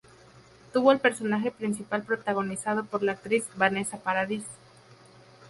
Tuvo al personaje principal protagonizado por la actriz Vanessa Paradis.